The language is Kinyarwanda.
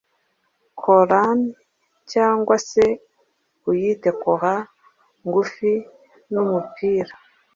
Colan cyangwa se uyite kora ngufi numupira